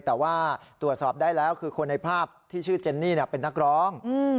แต่ว่าตรวจสอบได้แล้วคือคนในภาพที่ชื่อเจนนี่เป็นนักร้อง